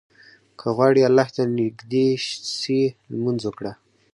که غواړې الله ته نيږدى سې، لمونځ وکړه.